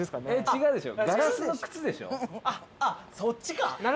違うでしょ。